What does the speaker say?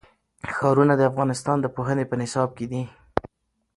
ښارونه د افغانستان د پوهنې په نصاب کې دي.